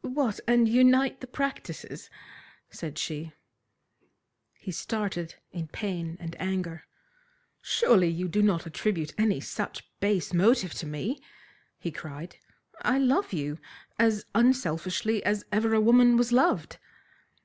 "What, and unite the practices?" said she. He started in pain and anger. "Surely you do not attribute any such base motive to me!" he cried. "I love you as unselfishly as ever a woman was loved."